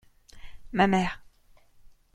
Ma mère.